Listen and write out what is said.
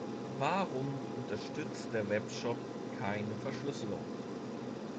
Warum unterstützt der Webshop keine Verschlüsselung?